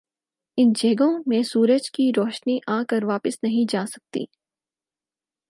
ان جگہوں میں سورج کی روشنی آکر واپس نہیں جاسکتی ۔